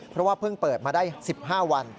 เพราะว่าเพิ่งเปิดมาได้๑๕วัน